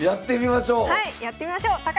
やってみましょう！